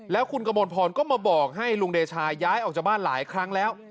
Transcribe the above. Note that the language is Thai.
แล้วคุณกระมวลพรก็มาบอกให้ลุงเดชาย้ายออกจากบ้านหลายครั้งแล้ว